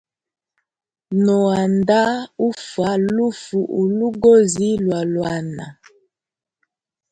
No anda ufa lufu ulugozi lwa lwana.